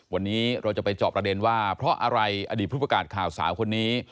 วันนี้เราจะไปเจาะประเด็นว่าเพราะอะไรอดีตผู้ประกาศข่าวสาวคนนี้